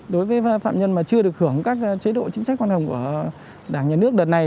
đối với phạm nhân mà chưa được hưởng các chế độ chính sách khoan hồng của đảng nhà nước đợt này